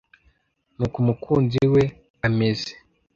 n’uko umukunzi we ameze.